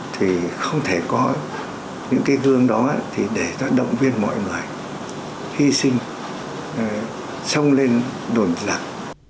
thì không thể có những cái gương đó để động viên mọi người hy sinh xông lên đồn giặc